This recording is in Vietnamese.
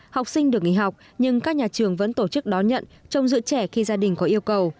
học sinh được nghỉ học nhưng các nhà trường vẫn tổ chức đón nhận trông giữ trẻ khi gia đình có yêu cầu